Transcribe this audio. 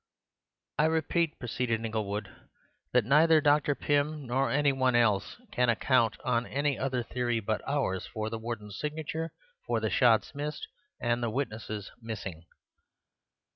"I repeat," proceeded Inglewood, "that neither Dr. Pym nor any one else can account on any other theory but ours for the Warden's signature, for the shots missed and the witnesses missing."